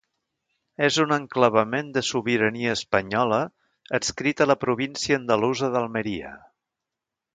És un enclavament de sobirania espanyola, adscrit a la província andalusa d'Almeria.